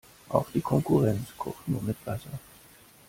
Auch die Konkurrenz kocht nur mit Wasser.